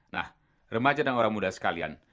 nah remajan orang muda sekalian